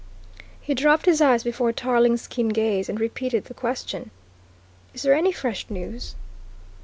He dropped his eyes before Tarling's keen gaze and repeated the question. "Is there any fresh news?"